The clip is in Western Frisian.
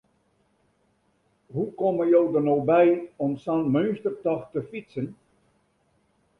Hoe komme jo der no by om sa'n meunstertocht te fytsen?